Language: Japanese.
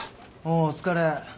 おおお疲れ。